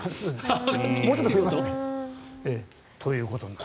もうちょっと増えますね。ということになる。